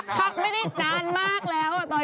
ไม่ได้นานมากแล้วตอนนี้